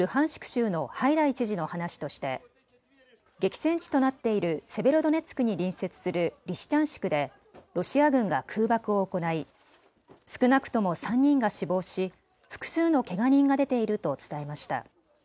州のハイダイ知事の話として激戦地となっているセベロドネツクに隣接するリシチャンシクでロシア軍が空爆を行い少なくとも３人が死亡し複数のけが人が出ていると伝えました。